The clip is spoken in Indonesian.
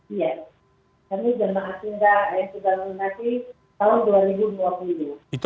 iya kami jemaah kita yang sudah lunasi tahun dua ribu dua puluh